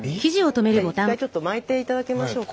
じゃあ一回ちょっと巻いていただきましょうか。